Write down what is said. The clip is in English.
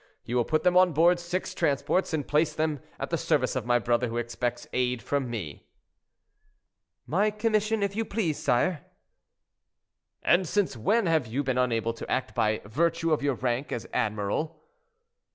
You will put them on board six transports, and place them at the service of my brother, who expects aid from me." "My commission, if you please, sire." "And since when have you been unable to act by virtue of your rank as admiral?"